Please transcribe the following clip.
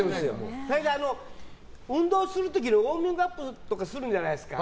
運動する時ウォーミングアップとかするじゃないですか。